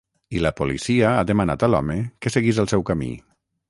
I la policia ha demanat a l’home que seguís el seu camí.